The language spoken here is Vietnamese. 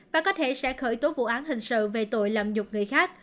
và có thể sẽ khởi tố vụ án hình sự về tội lầm nhục người khác